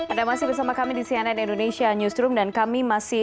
ada masih bersama kami di cnn indonesia newsroom dan kami masih